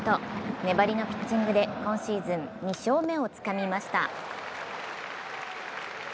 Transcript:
粘りのピッチングで今シーズン２勝目をつかみました。